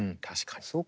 確かに。